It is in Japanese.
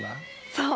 そう！